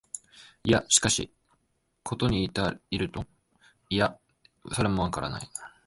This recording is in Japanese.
いや、しかし、ことに依ると、いや、それもわからない、